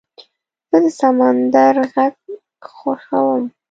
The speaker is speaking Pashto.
زه د سمندر غږ خوښوم.